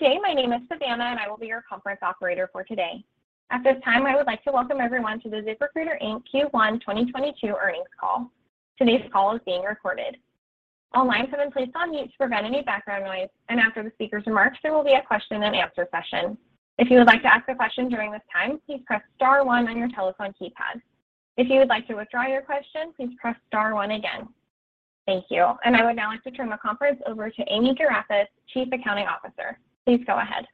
Good day. My name is Savannah, and I will be your conference operator for today. At this time, I would like to welcome everyone to the ZipRecruiter, Inc. Q1 2022 earnings call. Today's call is being recorded. All lines have been placed on mute to prevent any background noise, and after the speaker's remarks, there will be a question-and-answer session. If you would like to ask a question during this time, please press Star one on your telephone keypad. If you would like to withdraw your question, please press Star one again. Thank you. I would now like to turn the conference over to Amy Garefis, Chief Accounting Officer. Please go ahead.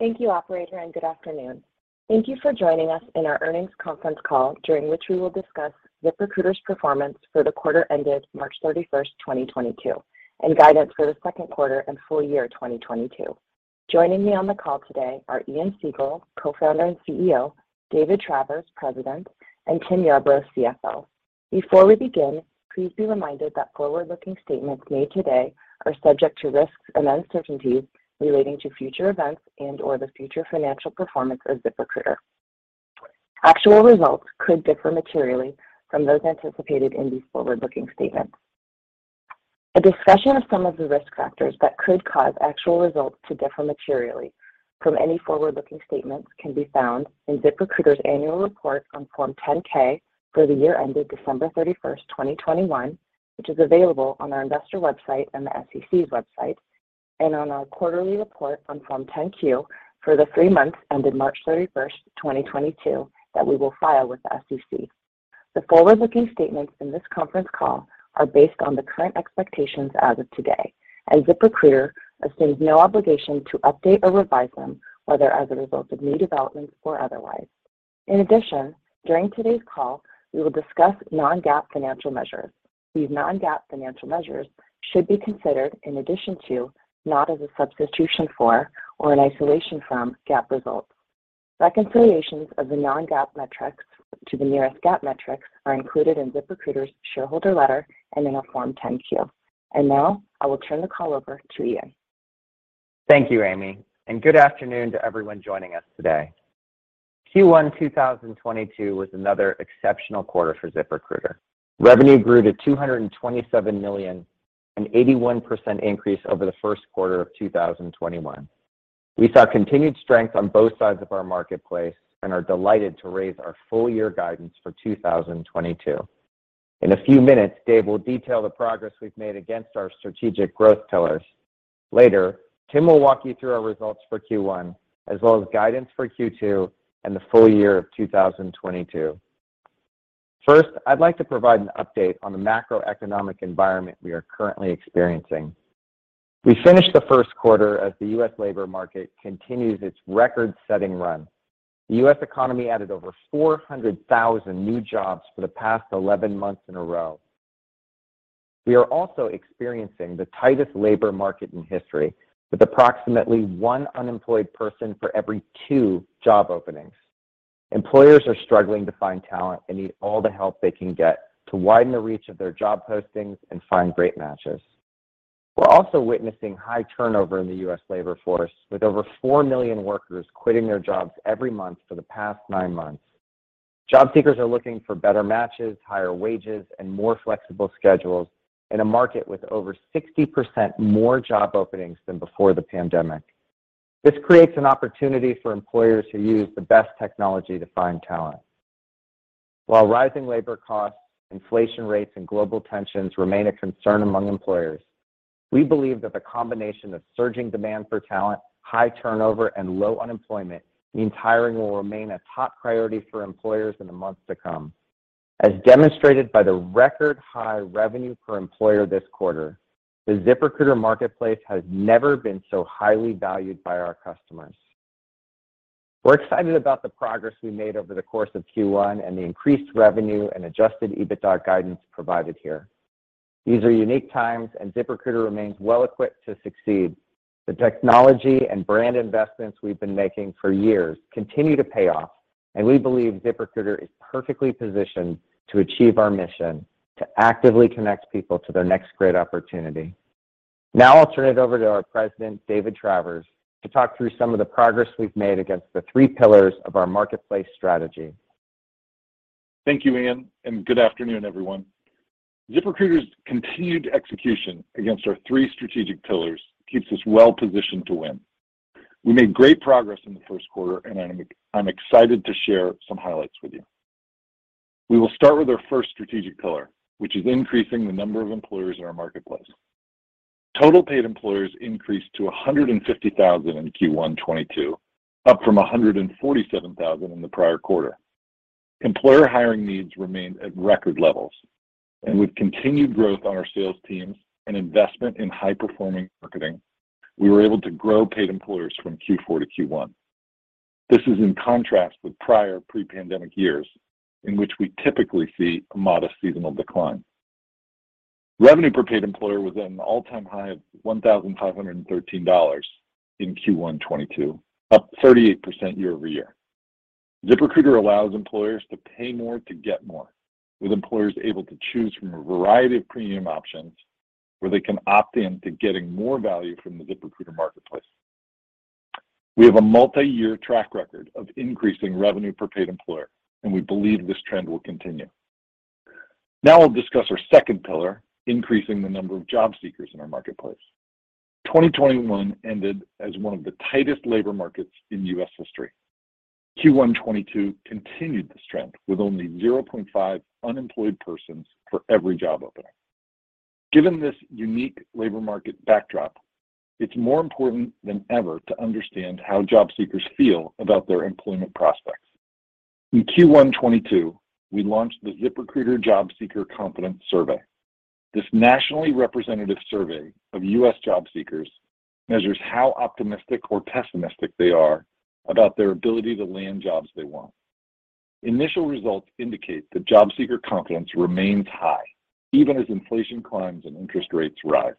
Thank you, operator, and good afternoon. Thank you for joining us in our earnings conference call, during which we will discuss ZipRecruiter's performance for the quarter ended March 31st, 2022, and guidance for the second quarter and full-year 2022. Joining me on the call today are Ian Siegel, Co-Founder and CEO, David Travers, President, and Tim Yarbrough, CFO. Before we begin, please be reminded that forward-looking statements made today are subject to risks and uncertainties relating to future events and/or the future financial performance of ZipRecruiter. Actual results could differ materially from those anticipated in these forward-looking statements. A discussion of some of the Risk Factors that could cause actual results to differ materially from any forward-looking statements can be found in ZipRecruiter's Annual Report on Form 10-K for the year ended December 31st, 2021, which is available on our investor website and the SEC's website, and on our Quarterly Report on Form 10-Q for the three months ended March 31st, 2022, that we will file with the SEC. The forward-looking statements in this conference call are based on the current expectations as of today, and ZipRecruiter assumes no obligation to update or revise them, whether as a result of new developments or otherwise. In addition, during today's call, we will discuss non-GAAP financial measures. These non-GAAP financial measures should be considered in addition to, not as a substitution for or an isolation from, GAAP results. Reconciliations of the non-GAAP metrics to the nearest GAAP metrics are included in ZipRecruiter's shareholder letter and in our Form 10-Q. Now, I will turn the call over to Ian. Thank you, Amy, and good afternoon to everyone joining us today. Q1 2022 was another exceptional quarter for ZipRecruiter. Revenue grew to $227 million, an 81% increase over the first quarter of 2021. We saw continued strength on both sides of our marketplace and are delighted to raise our full-year guidance for 2022. In a few minutes, Dave will detail the progress we've made against our strategic growth pillars. Later, Tim will walk you through our results for Q1, as well as guidance for Q2 and the full-year of 2022. First, I'd like to provide an update on the macroeconomic environment we are currently experiencing. We finished the first quarter as the U.S. labor market continues its record-setting run. The U.S. economy added over 400,000 new jobs for the past 11 months in a row. We are also experiencing the tightest labor market in history, with approximately one unemployed person for every two job openings. Employers are struggling to find talent and need all the help they can get to widen the reach of their job postings and find great matches. We're also witnessing high turnover in the U.S. labor force, with over 4 million workers quitting their jobs every month for the past 9 months. Job seekers are looking for better matches, higher wages, and more flexible schedules in a market with over 60% more job openings than before the pandemic. This creates an opportunity for employers who use the best technology to find talent. While rising labor costs, inflation rates, and global tensions remain a concern among employers, we believe that the combination of surging demand for talent, high turnover, and low unemployment means hiring will remain a top priority for employers in the months to come. As demonstrated by the record-high revenue per employer this quarter, the ZipRecruiter marketplace has never been so highly valued by our customers. We're excited about the progress we made over the course of Q1 and the increased revenue and adjusted EBITDA guidance provided here. These are unique times, and ZipRecruiter remains well-equipped to succeed. The technology and brand investments we've been making for years continue to pay off, and we believe ZipRecruiter is perfectly positioned to achieve our mission to actively connect people to their next great opportunity. Now, I'll turn it over to our President, David Travers, to talk through some of the progress we've made against the three pillars of our marketplace strategy. Thank you, Ian, and good afternoon, everyone. ZipRecruiter's continued execution against our three strategic pillars keeps us well-positioned to win. We made great progress in the first quarter, and I'm excited to share some highlights with you. We will start with our first strategic pillar, which is increasing the number of employers in our marketplace. Total paid employers increased to 150,000 in Q1 2022, up from 147,000 in the prior quarter. Employer hiring needs remain at record levels. With continued growth on our sales teams and investment in high-performing marketing, we were able to grow paid employers from Q4 to Q1. This is in contrast with prior pre-pandemic years in which we typically see a modest seasonal decline. Revenue per paid employer was at an all-time high of $1,513 in Q1 2022, up 38% year-over-year. ZipRecruiter allows employers to pay more to get more, with employers able to choose from a variety of premium options where they can opt in to getting more value from the ZipRecruiter marketplace. We have a multi-year track record of increasing revenue per paid employer, and we believe this trend will continue. Now we'll discuss our second pillar, increasing the number of job seekers in our marketplace. 2021 ended as one of the tightest labor markets in U.S. history. Q1 2022 continued this trend, with only 0.5 unemployed persons for every job opening. Given this unique labor market backdrop, it's more important than ever to understand how job seekers feel about their employment prospects. In Q1 2022, we launched the ZipRecruiter Job Seeker Confidence Survey. This nationally representative survey of U.S. job seekers measures how optimistic or pessimistic they are about their ability to land jobs they want. Initial results indicate that job seeker confidence remains high even as inflation climbs and interest rates rise.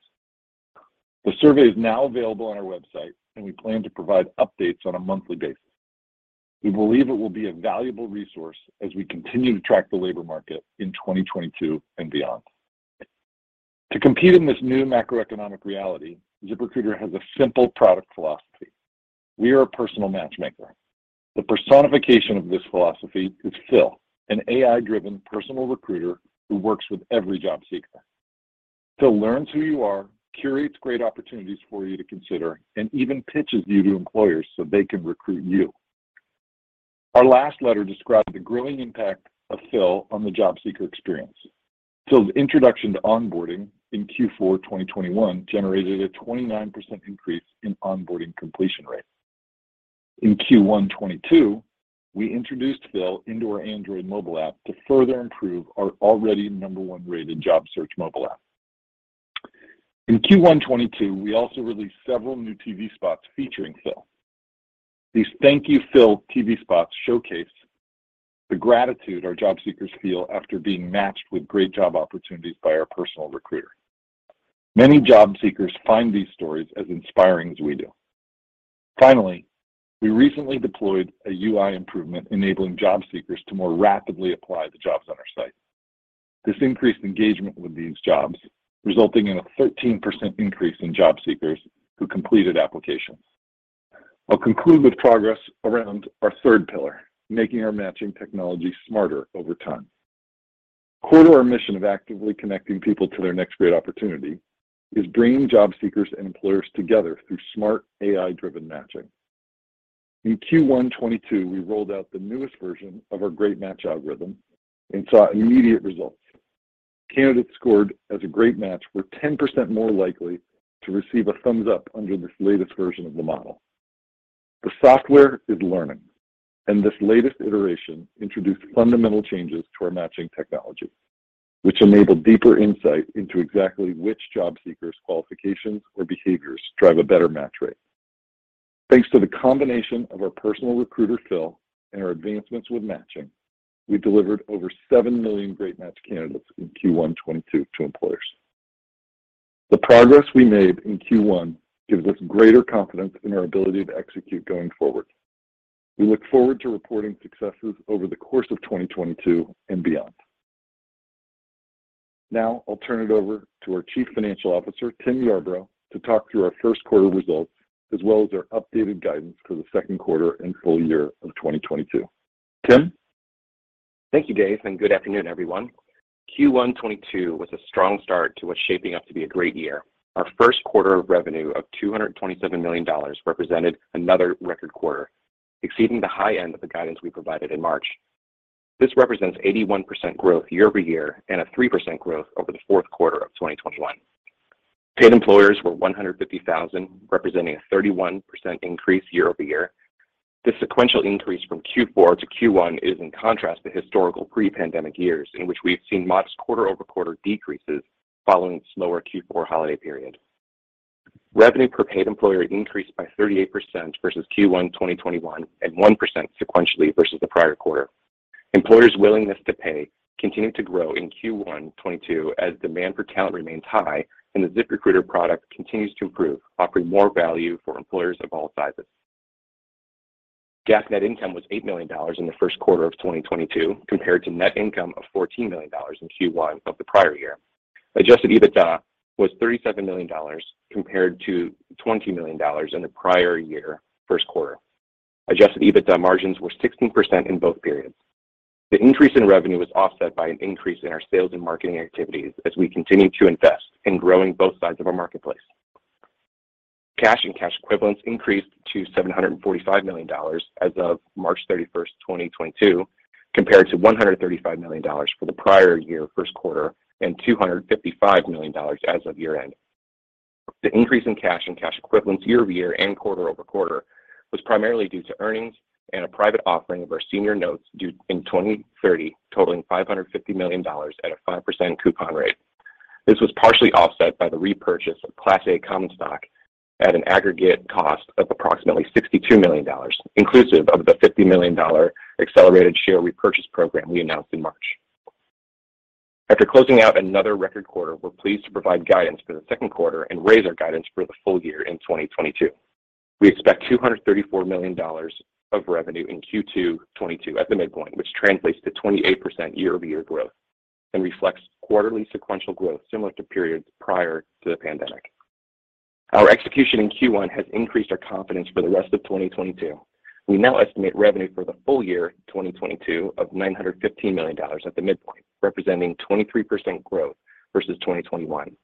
The survey is now available on our website, and we plan to provide updates on a monthly basis. We believe it will be a valuable resource as we continue to track the labor market in 2022 and beyond. To compete in this new macroeconomic reality, ZipRecruiter has a simple product philosophy: We are a personal matchmaker. The personification of this philosophy is Phil, an AI-driven personal recruiter who works with every job seeker. Phil learns who you are, curates great opportunities for you to consider, and even pitches you to employers so they can recruit you. Our last letter described the growing impact of Phil on the job seeker experience. Phil's introduction to onboarding in Q4 2021 generated a 29% increase in onboarding completion rates. In Q1 2022, we introduced Phil into our Android mobile app to further improve our already number 1-rated job search mobile app. In Q1 2022, we also released several new TV spots featuring Phil. These Thank You Phil TV spots showcase the gratitude our job seekers feel after being matched with great job opportunities by our personal recruiter. Many job seekers find these stories as inspiring as we do. Finally, we recently deployed a UI improvement enabling job seekers to more rapidly apply to jobs on our site. This increased engagement with these jobs, resulting in a 13% increase in job seekers who completed applications. I'll conclude with progress around our third pillar, making our matching technology smarter over time. Core to our mission of actively connecting people to their next great opportunity is bringing job seekers and employers together through smart AI-driven matching. In Q1 2022, we rolled out the newest version of our Great Match algorithm and saw immediate results. Candidates scored as a Great Match were 10% more likely to receive a thumbs up under this latest version of the model. The software is learning, and this latest iteration introduced fundamental changes to our matching technology, which enabled deeper insight into exactly which job seekers' qualifications or behaviors drive a better match rate. Thanks to the combination of our personal recruiter, Phil, and our advancements with matching, we delivered over 7 million Great Match candidates in Q1 2022 to employers. The progress we made in Q1 gives us greater confidence in our ability to execute going forward. We look forward to reporting successes over the course of 2022 and beyond. Now I'll turn it over to our Chief Financial Officer, Tim Yarbrough, to talk through our first quarter results, as well as our updated guidance for the second quarter and full-year of 2022. Tim? Thank you, Dave, and good afternoon, everyone. Q1 2022 was a strong start to what's shaping up to be a great year. Our first quarter of revenue of $227 million represented another record quarter, exceeding the high end of the guidance we provided in March. This represents 81% growth year-over-year and a 3% growth over the fourth quarter of 2021. Paid employers were 150,000, representing a 31% increase year-over-year. This sequential increase from Q4 to Q1 is in contrast to historical pre-pandemic years in which we have seen modest quarter-over-quarter decreases following slower Q4 holiday period. Revenue per paid employer increased by 38% versus Q1 2021 and 1% sequentially versus the prior quarter. Employers' willingness to pay continued to grow in Q1 2022 as demand for talent remains high and the ZipRecruiter product continues to improve, offering more value for employers of all sizes. GAAP net income was $8 million in the first quarter of 2022 compared to net income of $14 million in Q1 of the prior year. Adjusted EBITDA was $37 million compared to $20 million in the prior year first quarter. Adjusted EBITDA margins were 16% in both periods. The increase in revenue was offset by an increase in our sales and marketing activities as we continue to invest in growing both sides of our marketplace. Cash and cash equivalents increased to $745 million as of March 31st, 2022, compared to $135 million for the prior year first quarter and $255 million as of year-end. The increase in cash and cash equivalents year-over-year and quarter-over-quarter was primarily due to earnings and a private offering of our senior notes due in 2030 totaling $550 million at a 5% coupon rate. This was partially offset by the repurchase of Class A common stock at an aggregate cost of approximately $62 million, inclusive of the $50 million accelerated share repurchase program we announced in March. After closing out another record quarter, we're pleased to provide guidance for the second quarter and raise our guidance for the full-year in 2022. We expect $234 million of revenue in Q2 2022 at the midpoint, which translates to 28% year-over-year growth and reflects quarterly sequential growth similar to periods prior to the pandemic. Our execution in Q1 has increased our confidence for the rest of 2022. We now estimate revenue for the full-year 2022 of $915 million at the midpoint, representing 23% growth versus 2021.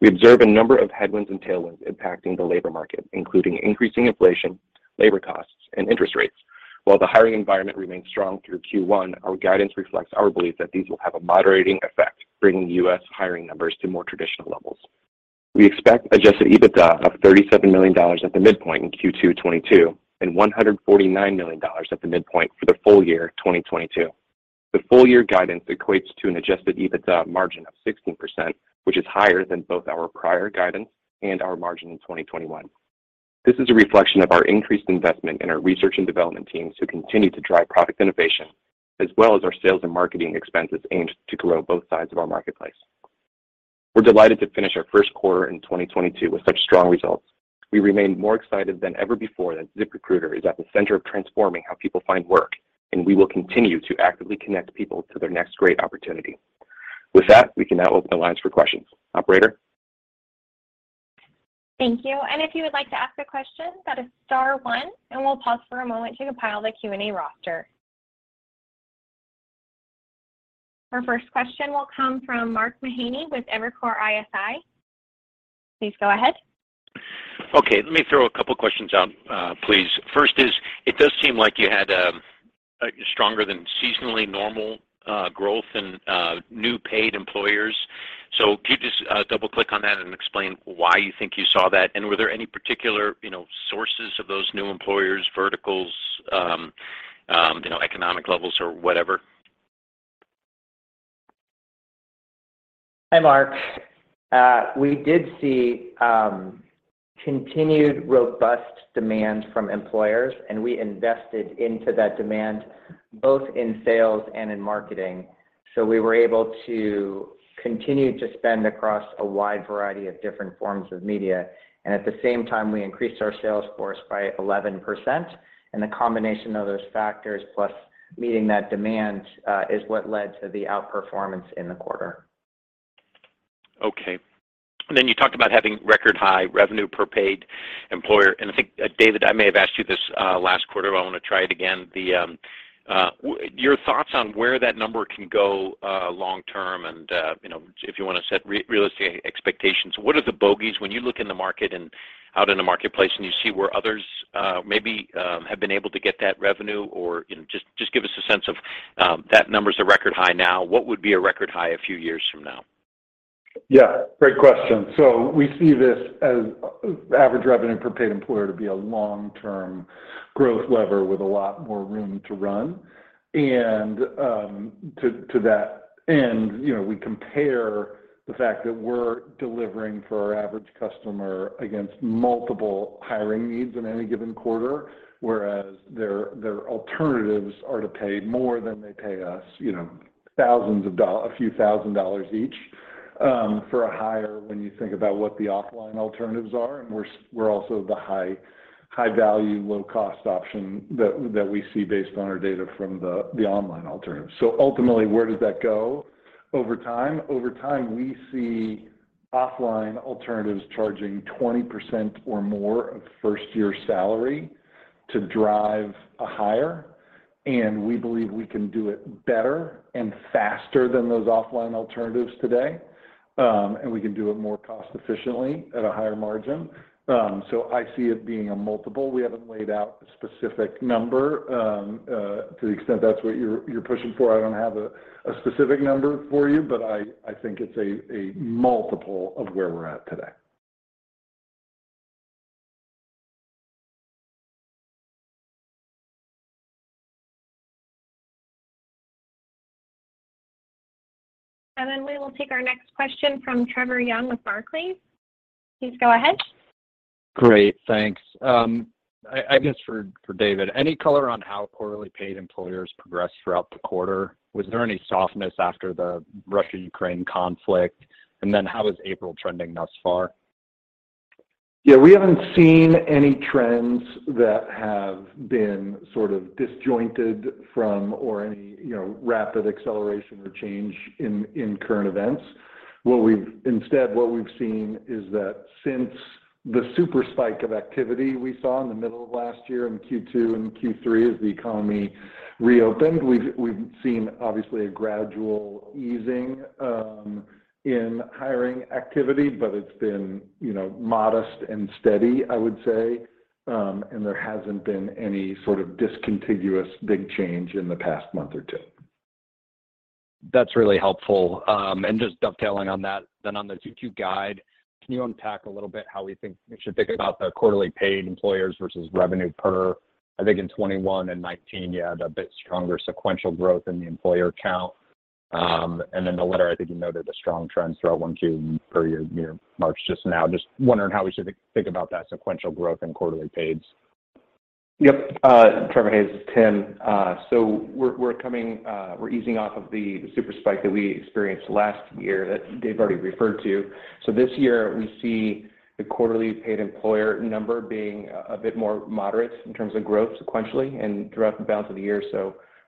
We observe a number of headwinds and tailwinds impacting the labor market, including increasing inflation, labor costs, and interest rates. While the hiring environment remains strong through Q1, our guidance reflects our belief that these will have a moderating effect, bringing U.S. hiring numbers to more traditional levels. We expect adjusted EBITDA of $37 million at the midpoint in Q2 2022, and $149 million at the midpoint for the full-year 2022. The full-year guidance equates to an adjusted EBITDA margin of 16%, which is higher than both our prior guidance and our margin in 2021. This is a reflection of our increased investment in our research and development teams who continue to drive product innovation, as well as our sales and marketing expenses aimed to grow both sides of our marketplace. We're delighted to finish our first quarter in 2022 with such strong results. We remain more excited than ever before that ZipRecruiter is at the center of transforming how people find work, and we will continue to actively connect people to their next great opportunity. With that, we can now open the lines for questions. Operator? Thank you. If you would like to ask a question, that is Star one, and we'll pause for a moment to compile the Q&A roster. Our first question will come from Mark Mahaney with Evercore ISI. Please go ahead. Okay. Let me throw a couple questions out, please. First is, it does seem like you had a stronger than seasonally normal growth in new paid employers. Can you just double-click on that and explain why you think you saw that? Were there any particular, you know, sources of those new employers, verticals, you know, economic levels or whatever? Hi, Mark. We did see continued robust demand from employers, and we invested into that demand both in sales and in marketing. We were able to continue to spend across a wide variety of different forms of media. At the same time, we increased our sales force by 11%. The combination of those factors, plus meeting that demand, is what led to the outperformance in the quarter. Okay. You talked about having record high revenue per paid employer. I think, Dave, I may have asked you this last quarter, but I want to try it again. Your thoughts on where that number can go long-term and, you know, if you want to set real estate expectations. What are the bogeys when you look in the market and out in the marketplace and you see where others maybe have been able to get that revenue or, you know. Just give us a sense of, that number's a record high now. What would be a record high a few years from now? Yeah. Great question. We see this as average revenue per paid employer to be a long-term growth lever with a lot more room to run. To that end, you know, we compare the fact that we're delivering for our average customer against multiple hiring needs in any given quarter, whereas their alternatives are to pay more than they pay us, you know, a few thousand dollar each for a hire when you think about what the offline alternatives are. We're also the high value, low cost option that we see based on our data from the online alternative. Ultimately, where does that go over time? Over time, we see offline alternatives charging 20% or more of first-year salary to drive a hire, and we believe we can do it better and faster than those offline alternatives today. We can do it more cost-efficiently at a higher margin. I see it being a multiple. We haven't laid out a specific number. To the extent that's what you're pushing for, I don't have a specific number for you, but I think it's a multiple of where we're at today. We will take our next question from Trevor Young with Barclays. Please go ahead. Great. Thanks. I guess for David, any color on how quarterly paid employers progressed throughout the quarter? Was there any softness after the Russia-Ukraine conflict? How is April trending thus far? Yeah, we haven't seen any trends that have been sort of disjointed from or any, you know, rapid acceleration or change in current events. Instead, what we've seen is that since the super spike of activity we saw in the middle of last year in Q2 and Q3 as the economy reopened, we've seen obviously a gradual easing in hiring activity, but it's been, you know, modest and steady, I would say. There hasn't been any sort of discontinuous big change in the past month or two. That's really helpful. Just dovetailing on that, on the Q2 guide, can you unpack a little bit how we think we should think about the quarterly paid employers versus revenue per? I think in 2021 and 2019, you had a bit stronger sequential growth in the employer count. The letter, I think you noted a strong trend throughout Q1 in the prior year, March just now. Just wondering how we should think about that sequential growth in quarterly paid. Yep. Trevor, hey, this is Tim. We're easing off of the super spike that we experienced last year that Dave already referred to. This year we see the quarterly paid employer number being a bit more moderate in terms of growth sequentially and throughout the balance of the year.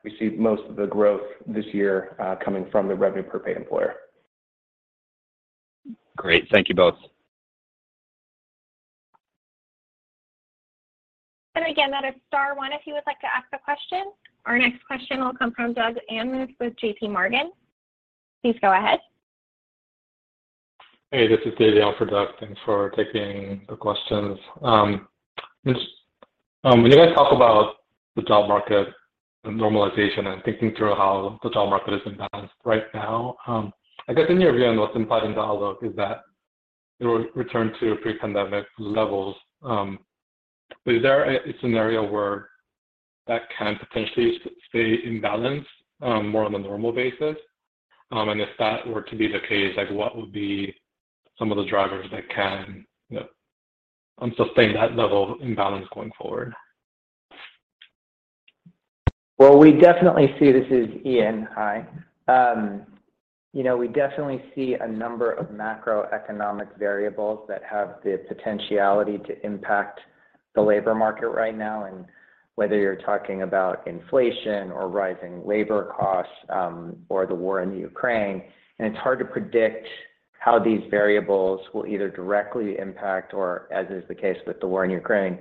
We see most of the growth this year coming from the revenue per paid employer. Great. Thank you both. Again, that is Star one if you would like to ask a question. Our next question will come from Doug Anmuth with JPMorgan. Please go ahead. Hey, this is Douglas Anmuth. Thanks for taking the questions. Just when you guys talk about the job market normalization and thinking through how the job market is imbalanced right now, I guess in your view and what's implied in the outlook is that it will return to pre-pandemic levels. Is there a scenario where that can potentially stay in balance, more on a normal basis? If that were to be the case, like what would be some of the drivers that can, you know, sustain that level of imbalance going forward? Well, we definitely see. This is Ian. Hi. You know, we definitely see a number of macroeconomic variables that have the potentiality to impact the labor market right now, and whether you're talking about inflation or rising labor costs, or the war in Ukraine. It's hard to predict how these variables will either directly impact or, as is the case with the war in Ukraine,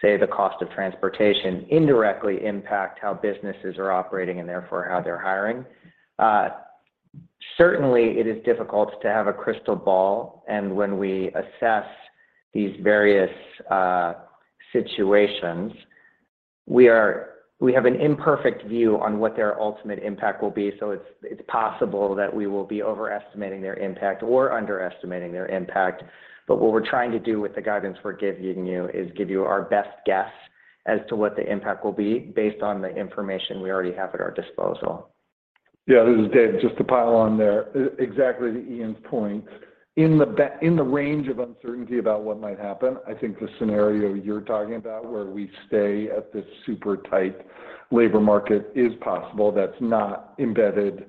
say the cost of transportation indirectly impact how businesses are operating and therefore how they're hiring. Certainly it is difficult to have a crystal ball. When we assess these various situations, we have an imperfect view on what their ultimate impact will be. It's possible that we will be overestimating their impact or underestimating their impact. what we're trying to do with the guidance we're giving you is give you our best guess as to what the impact will be based on the information we already have at our disposal. Yeah, this is Dave. Just to pile on there. Exactly to Ian's point. In the range of uncertainty about what might happen, I think the scenario you're talking about where we stay at this super tight labor market is possible. That's not embedded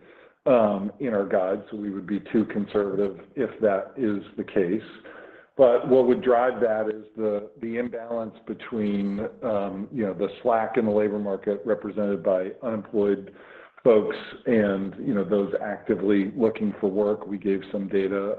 in our guides. We would be too conservative if that is the case. What would drive that is the imbalance between, you know, the slack in the labor market represented by unemployed folks and, you know, those actively looking for work. We gave some data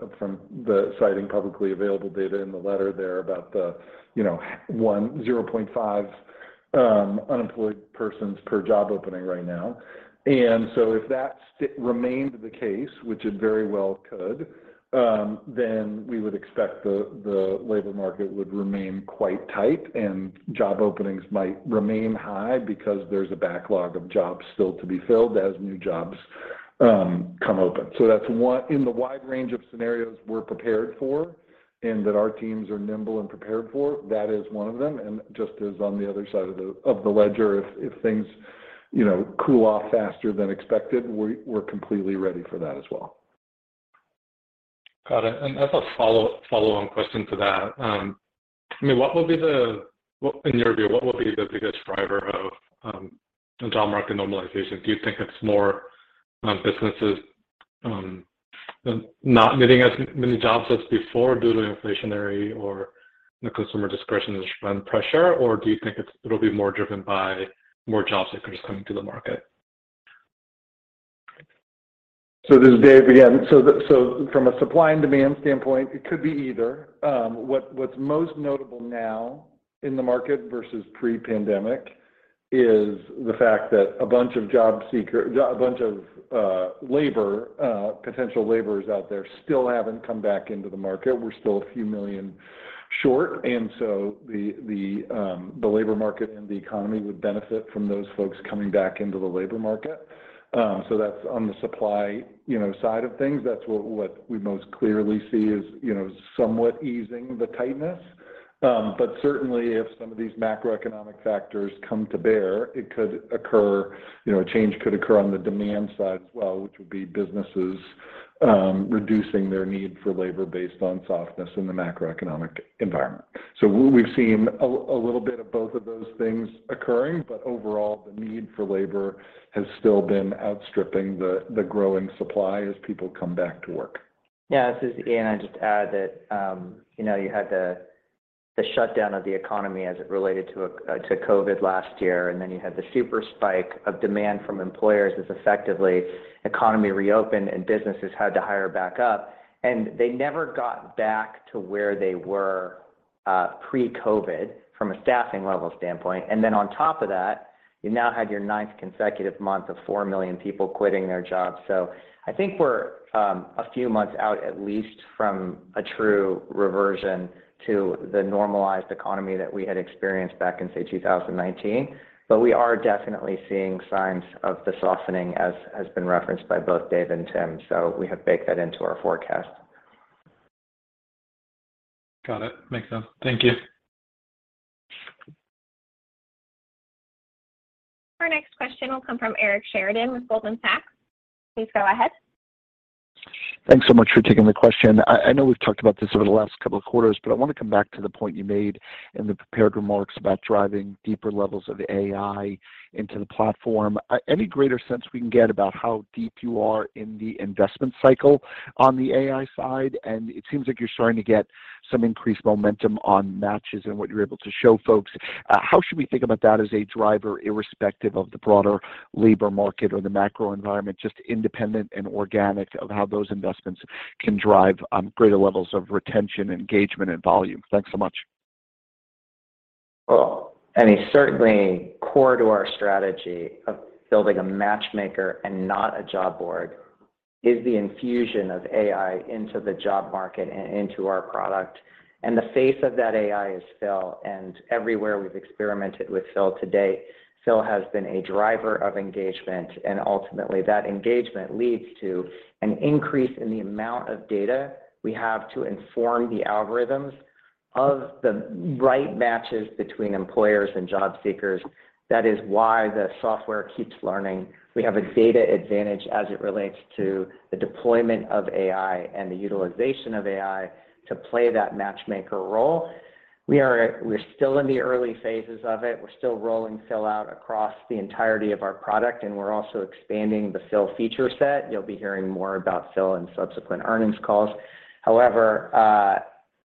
citing publicly available data in the letter there about the, you know, 0.5 unemployed persons per job opening right now. If that remained the case, which it very well could, then we would expect the labor market would remain quite tight and job openings might remain high because there's a backlog of jobs still to be filled as new jobs come open. That's one in the wide range of scenarios we're prepared for and that our teams are nimble and prepared for, that is one of them. Just as on the other side of the ledger, if things you know cool off faster than expected, we're completely ready for that as well. Got it. As a follow-on question to that, I mean, in your view, what will be the biggest driver of job market normalization? Do you think it's more businesses not needing as many jobs as before due to inflationary or the consumer discretionary spending pressure, or do you think it'll be more driven by more job seekers coming to the market? This is Dave again. From a supply and demand standpoint, it could be either. What's most notable now in the market versus pre-pandemic is the fact that a bunch of potential laborers out there still haven't come back into the market. We're still a few million short. The labor market and the economy would benefit from those folks coming back into the labor market. That's on the supply, you know, side of things. What we most clearly see is, you know, somewhat easing the tightness. Certainly if some of these macroeconomic factors come to bear, it could occur, you know, a change could occur on the demand side as well, which would be businesses reducing their need for labor based on softness in the macroeconomic environment. We've seen a little bit of both of those things occurring, but overall the need for labor has still been outstripping the growing supply as people come back to work. This is Ian. I'd just add that, you know, you had the shutdown of the economy as it related to COVID last year, then you had the super spike of demand from employers as effectively economy reopened and businesses had to hire back up. They never got back to where they were pre-COVID from a staffing level standpoint. On top of that, you now had your ninth consecutive month of 4 million people quitting their jobs. I think we're a few months out, at least from a true reversion to the normalized economy that we had experienced back in, say, 2019. We are definitely seeing signs of the softening as has been referenced by both David and Tim. We have baked that into our forecast. Got it. Makes sense. Thank you. Our next question will come from Eric Sheridan with Goldman Sachs. Please go ahead. Thanks so much for taking the question. I know we've talked about this over the last couple of quarters, but I want to come back to the point you made in the prepared remarks about driving deeper levels of AI into the platform. Any greater sense we can get about how deep you are in the investment cycle on the AI side? It seems like you're starting to get some increased momentum on matches and what you're able to show folks. How should we think about that as a driver, irrespective of the broader labor market or the macro environment, just independent and organic of how those investments can drive greater levels of retention, engagement and volume? Thanks so much. Well, I mean, certainly core to our strategy of building a matchmaker and not a job board is the infusion of AI into the job market and into our product. The face of that AI is Phil. Everywhere we've experimented with Phil to date, Phil has been a driver of engagement, and ultimately that engagement leads to an increase in the amount of data we have to inform the algorithms of the right matches between employers and job seekers. That is why the software keeps learning. We have a data advantage as it relates to the deployment of AI and the utilization of AI to play that matchmaker role. We're still in the early phases of it. We're still rolling Phil out across the entirety of our product, and we're also expanding the Phil feature set. You'll be hearing more about Phil in subsequent earnings calls. However,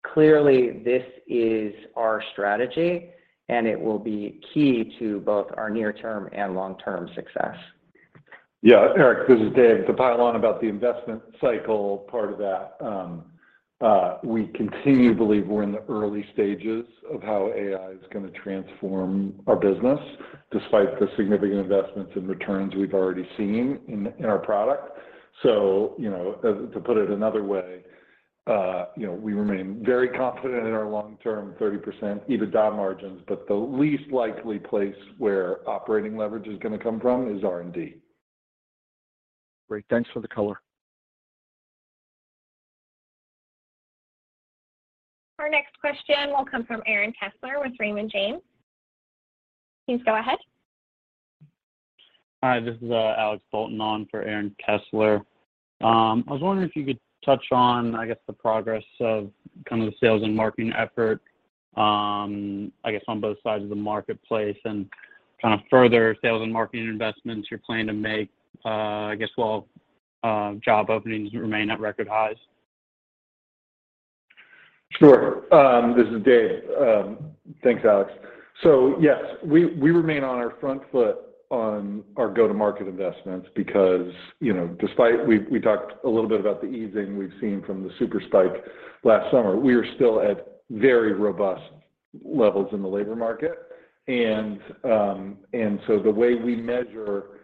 clearly this is our strategy, and it will be key to both our near-term and long-term success. Yeah, Eric, this is Dave. To pile on about the investment cycle part of that, we continue to believe we're in the early stages of how AI is gonna transform our business despite the significant investments and returns we've already seen in our product. You know, to put it another way, you know, we remain very confident in our long-term 30% EBITDA margins, but the least likely place where operating leverage is gonna come from is R&D. Great. Thanks for the color. Our next question will come from Aaron Kessler with Raymond James. Please go ahead. Hi, this is Alex Bolton on for Aaron Kessler. I was wondering if you could touch on, I guess, the progress of kind of the sales and marketing effort, I guess, on both sides of the marketplace and kind of further sales and marketing investments you're planning to make, I guess, while job openings remain at record highs. Sure. This is Dave. Thanks, Alex. Yes, we remain on our front foot on our go-to-market investments because, you know, despite we talked a little bit about the easing we've seen from the super spike last summer, we are still at very robust levels in the labor market. The way we measure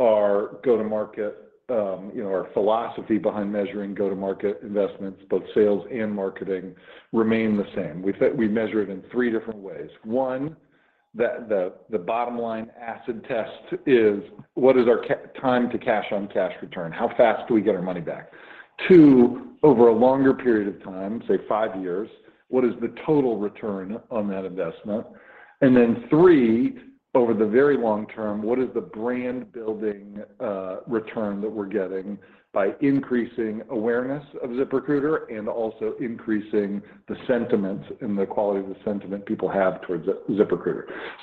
our go-to-market, you know, our philosophy behind measuring go-to-market investments, both sales and marketing remain the same. We measure it in three different ways. One, the bottom line acid test is what is our time to cash on cash return? How fast do we get our money back? Two, over a longer period of time, say five years, what is the total return on that investment? Three, over the very long-term, what is the brand building return that we're getting by increasing awareness of ZipRecruiter and also increasing the sentiment and the quality of the sentiment people have towards ZipRecruiter?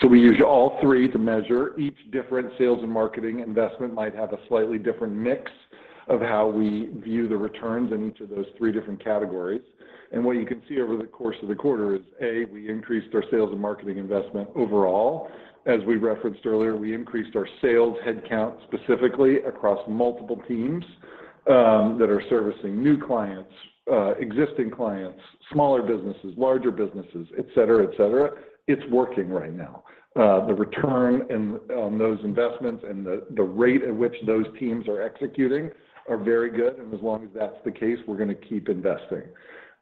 We use all three to measure. Each different sales and marketing investment might have a slightly different mix of how we view the returns in each of those three different categories. What you can see over the course of the quarter is, A, we increased our sales and marketing investment overall. As we referenced earlier, we increased our sales headcount specifically across multiple teams that are servicing new clients, existing clients, smaller businesses, larger businesses, et cetera. It's working right now. The return on those investments and the rate at which those teams are executing are very good, and as long as that's the case, we're gonna keep investing.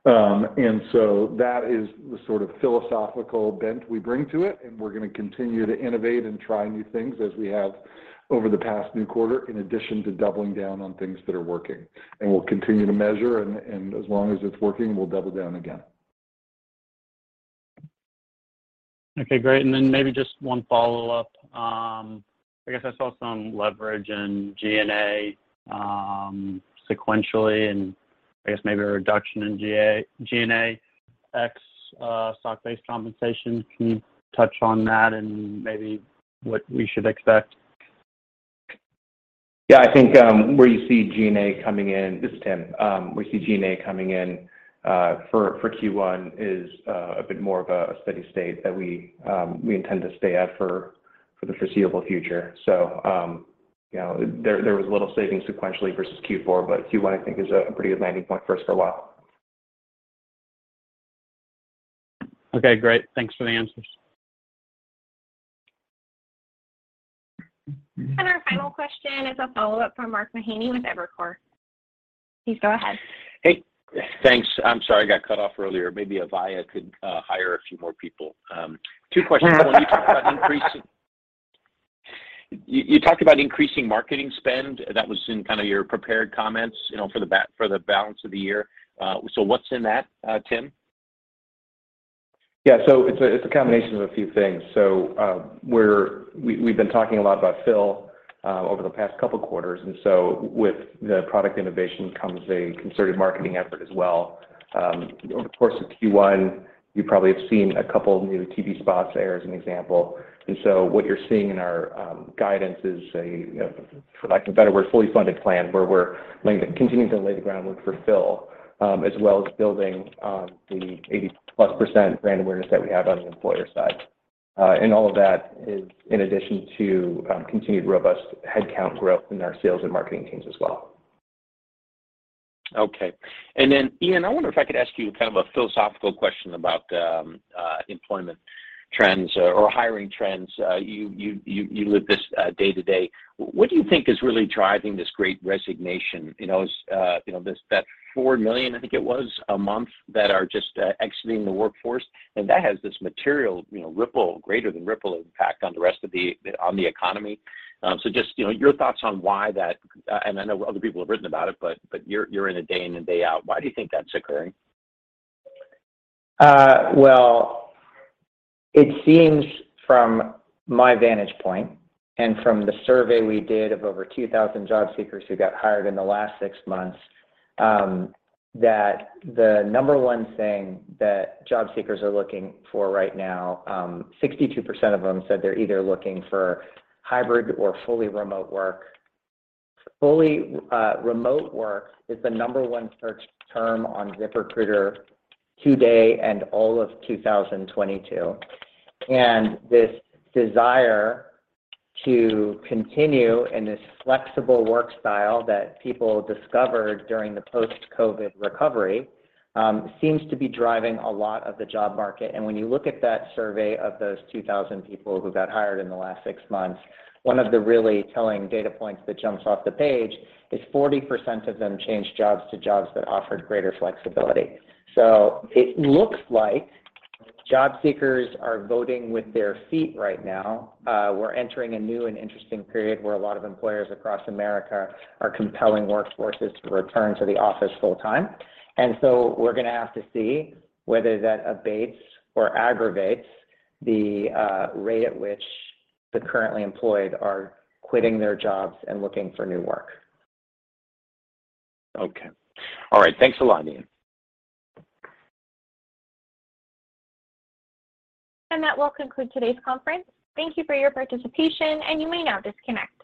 That is the sort of philosophical bent we bring to it, and we're gonna continue to innovate and try new things as we have over the past few quarters, in addition to doubling down on things that are working. We'll continue to measure and as long as it's working, we'll double down again. Okay, great. Maybe just one follow-up. I guess I saw some leverage in G&A sequentially and I guess maybe a reduction in G&A ex stock-based compensation. Can you touch on that and maybe what we should expect? Yeah. I think where you see G&A coming in. This is Tim. We see G&A coming in for Q1 is a bit more of a steady state that we intend to stay at for the foreseeable future. You know, there was a little saving sequentially versus Q4, but Q1 I think is a pretty good landing point for us for a while. Okay, great. Thanks for the answers. Our final question is a follow-up from Mark Mahaney with Evercore. Please go ahead. Hey, thanks. I'm sorry I got cut off earlier. Maybe Avaya could hire a few more people. Two questions. One, you talked about increasing marketing spend. That was in kind of your prepared comments, you know, for the balance of the year. What's in that, Tim? Yeah. It's a combination of a few things. We've been talking a lot about Phil over the past couple quarters, and with the product innovation comes a concerted marketing effort as well. Over the course of Q1, you probably have seen a couple new TV spots air, as an example. What you're seeing in our guidance is, for lack of a better word, a fully funded plan where we're continuing to lay the groundwork for Phil as well as building the 80+% brand awareness that we have on the employer side. And all of that is in addition to continued robust headcount growth in our sales and marketing teams as well. Okay. Ian, I wonder if I could ask you kind of a philosophical question about employment trends or hiring trends. You live this day-to-day. What do you think is really driving this great resignation? You know, is this that 4 million, I think it was, a month that are just exiting the workforce, and that has this material, you know, ripple, greater than ripple impact on the rest of the economy. Your thoughts on why that. I know other people have written about it, but you're in it day in and day out. Why do you think that's occurring? Well, it seems from my vantage point and from the survey we did of over 2,000 job seekers who got hired in the last six months, that the number one thing that job seekers are looking for right now, 62% of them said they're either looking for hybrid or fully remote work. Fully remote work is the number one search term on ZipRecruiter to date and all of 2022. This desire to continue in this flexible work style that people discovered during the post-COVID recovery seems to be driving a lot of the job market. When you look at that survey of those 2,000 people who got hired in the last six months, one of the really telling data points that jumps off the page is 40% of them changed jobs to jobs that offered greater flexibility. It looks like job seekers are voting with their feet right now. We're entering a new and interesting period where a lot of employers across America are compelling workforces to return to the office full time. We're gonna have to see whether that abates or aggravates the rate at which the currently employed are quitting their jobs and looking for new work. Okay. All right. Thanks a lot, Ian. That will conclude today's conference. Thank you for your participation, and you may now disconnect.